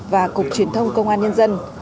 và cục truyền thông công an nhân dân